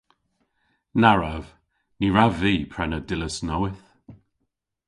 Na wrav. Ny wrav vy prena dillas nowydh.